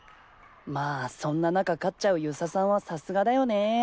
まあそんな中勝っちゃう遊佐さんはさすがだよね。